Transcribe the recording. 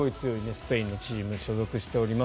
スペインのチームに所属しています。